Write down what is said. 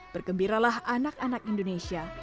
bergembiralah anak anak indonesia